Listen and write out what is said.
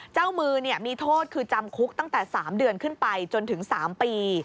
เจ้ามือมีโทษคือจำคุกตั้งแต่๓เดือนขึ้นไปจนถึง๓ปี